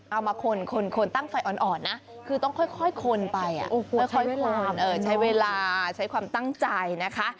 เอามาคนตั้งไฟอ่อนนะคือต้องค่อยคนไปค่อยใช้เวลาใช้ความตั้งใจนะคะ